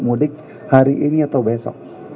mudik hari ini atau besok